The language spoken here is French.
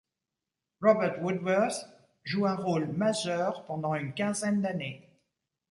Robert Woodworth joue un rôle majeur pendant une quinzaine d'années.